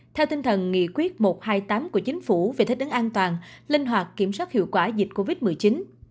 theo tinh thần nghị quyết một trăm hai mươi tám của chính phủ về thích ứng an toàn linh hoạt kiểm soát hiệu quả dịch